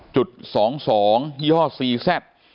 จุด๒๒ย่อสี่แซ็ป